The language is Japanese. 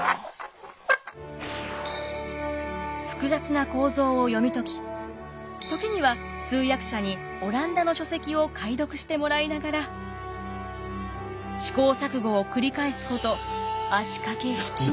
複雑な構造を読み解き時には通訳者にオランダの書籍を解読してもらいながら試行錯誤を繰り返すこと足かけ７年。